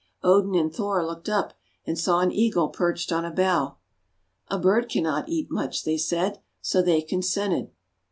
Odin and Thor looked up, and saw an Eagle perched on a bough. "A bird cannot eat much," they said, so they consented.